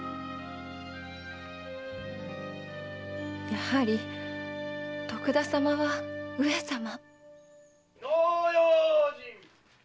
やはり徳田様は上様！火の用心！